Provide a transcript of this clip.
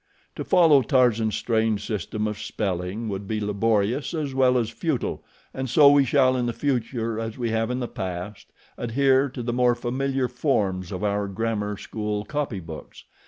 To follow Tarzan's strange system of spelling would be laborious as well as futile, and so we shall in the future, as we have in the past, adhere to the more familiar forms of our grammar school copybooks.